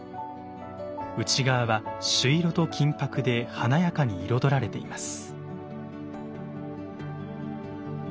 内側は朱色と金箔で華やかに彩られています。